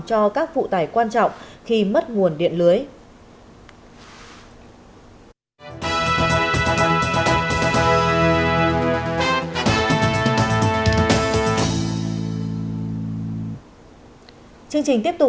cho các phụ tải quan trọng khi mất nguồn điện lưới